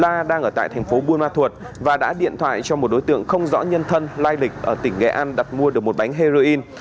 đang ở tại thành phố buôn ma thuột và đã điện thoại cho một đối tượng không rõ nhân thân lai lịch ở tỉnh nghệ an đặt mua được một bánh heroin